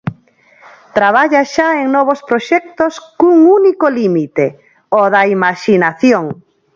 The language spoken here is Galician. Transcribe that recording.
Traballa xa en novos proxectos cun único límite: o da imaxinación.